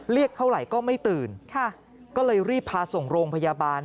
เรียกเท่าไหร่ก็ไม่ตื่นก็เลยรีบพาส่งโรงพยาบาล